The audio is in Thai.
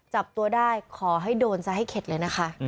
จับตัวได้ขอให้โดนซะให้เข็ดเลยนะคะ